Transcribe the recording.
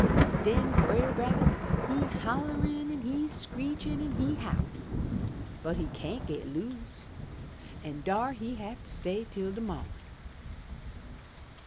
*'Den Brer Rabbit he holler an' he screech an' he howl! But he cyan't get loose, an' dar he have to stay till de mawnin'.